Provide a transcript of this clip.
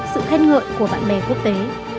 sự khen ngợi của bạn bè quốc tế